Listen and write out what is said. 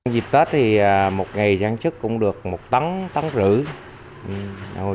dịp tết thì một ngày trang trức cũng được một tấn tấn rưỡi